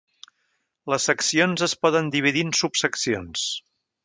Les seccions es poden dividir en subseccions.